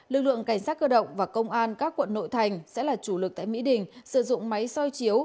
lực lượng cảnh sát cơ động và công an các quận nội thành sẽ là chủ lực tại mỹ đình sử dụng máy soi chiếu